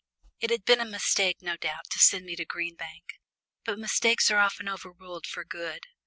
It had been a mistake, no doubt, to send me to Green Bank, but mistakes are often overruled for good.